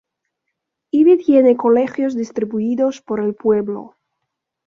Ibi tiene colegios distribuidos por el pueblo.